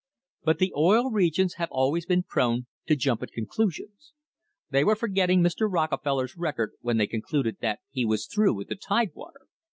But the Oil Regions have always been prone to jump at conclusions. They were forgetting Mr. Rockefeller's record when they concluded that he was through with the Tide water.